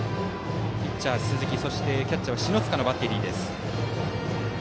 ピッチャーは鈴木キャッチャーは篠塚のバッテリー。